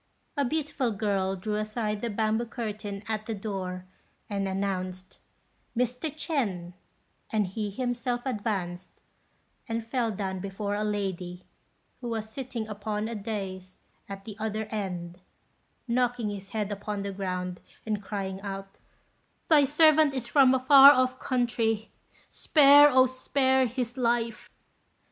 A beautiful girl drew aside the bamboo curtain at the door, and announced, "Mr. Ch'ên;" and he himself advanced, and fell down before a lady, who was sitting upon a dais at the other end, knocking his head upon the ground, and crying out, "Thy servant is from a far off country; spare, oh! spare his life."